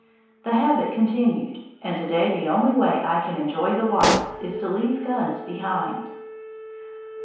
The habit continued, and to day the only way I can enjoy the wilds is to leave guns behind.